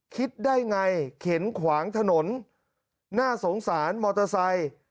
คิดได้ไงเข็นขวางถนนน่าสงสารมอเตอร์ไซค์